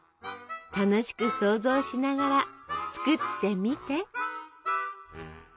楽しく想像しながら作ってみて！